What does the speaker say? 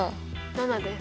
７です。